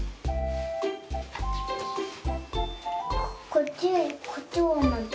こっちこっちもまた。